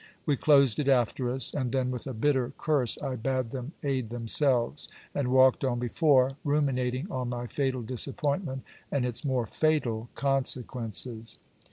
We closed it after us. And then with a bitter curse, I bade them aid themselves; and walked on before, ruminating on my fatal disappointment, and its more fatal consequences.